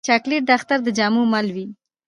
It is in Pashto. چاکلېټ د اختر د جامو مل وي.